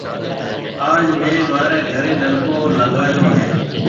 آج ميه مهاريَ گھريَ نلڪو لاگائيو هيَ۔